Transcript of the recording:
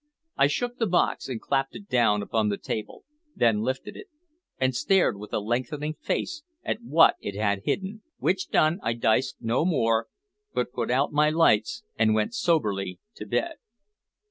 I shook the box and clapped it down upon the table, then lifted it, and stared with a lengthening face at what it had hidden; which done, I diced no more, but put out my lights and went soberly to bed.